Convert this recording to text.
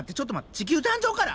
地球誕生から？